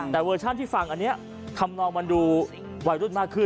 แต่เวอร์ชันที่ฟังอันนี้ทำนองมันดูวัยรุ่นมากขึ้น